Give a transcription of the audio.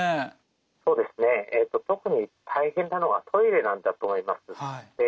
そうですね特に大変なのはトイレなんだと思います。